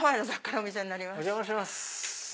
お邪魔します。